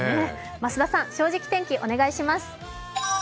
増田さん、「正直天気」お願いします。